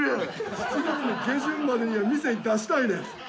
７月の下旬までには店に出したいねん。